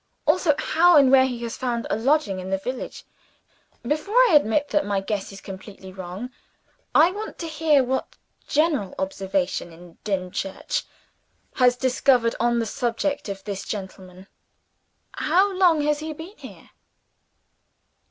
Also, how and where he has found a lodging in the village. Before I admit that my guess is completely wrong, I want to hear what general observation in Dimchurch has discovered on the subject of this gentleman. How long has he been here?"